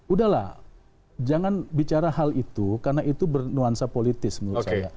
udahlah jangan bicara hal itu karena itu bernuansa politis menurut saya